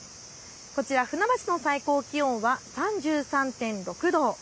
船橋の最高気温は３３．６度。